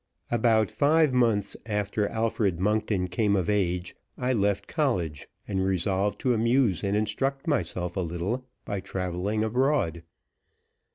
ABOUT five months after Alfred Monkton came of age I left college, and resolved to amuse and instruct myself a little by traveling abroad.